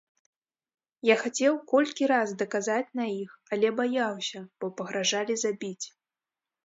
Я хацеў колькі раз даказаць на іх, але баяўся, бо пагражалі забіць.